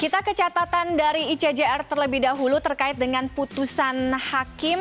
kita ke catatan dari icjr terlebih dahulu terkait dengan putusan hakim